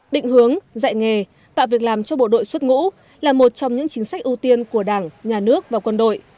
định hướng dạy nghề tạo việc làm cho bộ đội xuất ngũ là một trong những chính sách ưu tiên của đảng nhà nước và quân đội